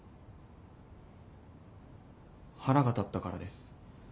腹が立ったからです。